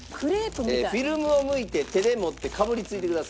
フィルムをむいて手で持ってかぶりついてください。